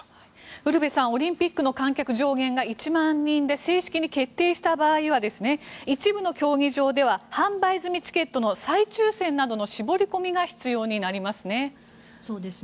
ウルヴェさんオリンピックの観客上限が１万人に正式に決定した場合は一部の競技場では販売済みチケットの再抽選などの絞り込みが必要になりますね。